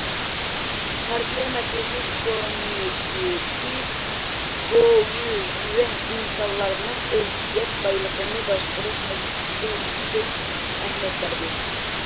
پارتىيە مەركىزىي كومىتېتى، گوۋۇيۈەن ئىنسانلارنىڭ ئىرسىيەت بايلىقىنى باشقۇرۇش مەسىلىسىگە يۈكسەك ئەھمىيەت بەردى.